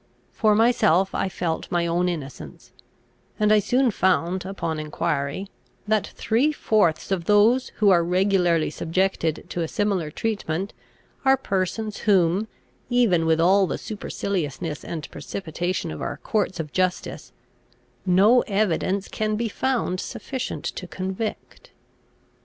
For myself, I felt my own innocence; and I soon found, upon enquiry, that three fourths of those who are regularly subjected to a similar treatment, are persons whom, even with all the superciliousness and precipitation of our courts of justice, no evidence can be found sufficient to convict.